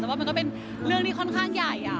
แต่ว่ามันก็เป็นเรื่องที่ค่อนข้างใหญ่